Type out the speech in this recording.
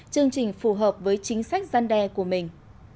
chương trình phù hợp với chính sách gian đe của mình